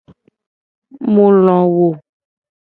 Mu lo wo.